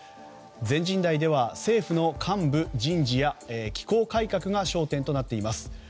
全人代では政府の幹部人事や機構改革が焦点となっています。